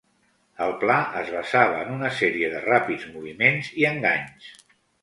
El pla es basava en una sèrie de ràpids moviments i enganys.